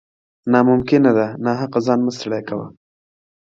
نا ممکنه ده ، ناحقه ځان مه ستړی کوه